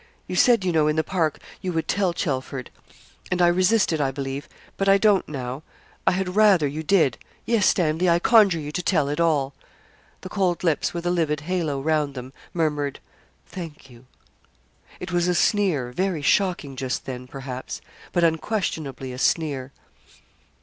You said, you know, in the park, you would tell Chelford; and I resisted, I believe, but I don't now. I had rather you did. Yes, Stanley, I conjure you to tell it all.' The cold lips, with a livid halo round them, murmured, 'Thank you.' It was a sneer, very shocking just then, perhaps; but unquestionably a sneer.